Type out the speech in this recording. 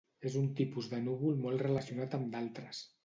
És un tipus de núvol molt relacionat amb d’altres.